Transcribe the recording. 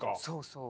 そう！